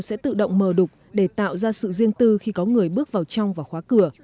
sẽ tự động mờ đục để tạo ra sự riêng tư khi có người bước vào trong và khóa cửa